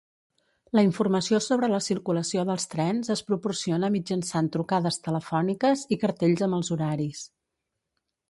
La informació sobre la circulació dels trens es proporciona mitjançant trucades telefòniques i cartells amb els horaris.